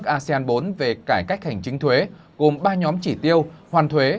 asean bốn về cải cách hành chính thuế gồm ba nhóm chỉ tiêu hoàn thuế